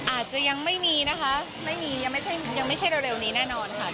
อาจจะยังไม่มีนะคะไม่มียังไม่ใช่ยังไม่ใช่เร็วนี้แน่นอนค่ะ